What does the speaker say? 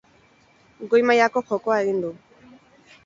Goi mailako jokoa egin du.